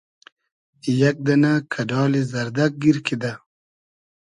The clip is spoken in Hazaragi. یئگ دئنۂ کئۮالی زئردئگ گیر کیدۂ